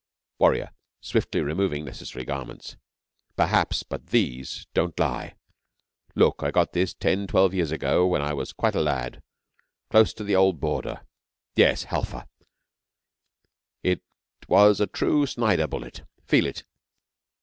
_) WARRIOR (swiftly removing necessary garments). Perhaps. But these don't lie. Look! I got this ten, twelve years ago when I was quite a lad, close to the old Border, Yes, Halfa. It was a true Snider bullet. Feel it!